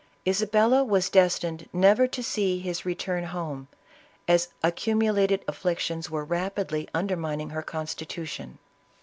Isabella was destined never to see his return home, as accumulated afflictions were rapidly undermining her constitution.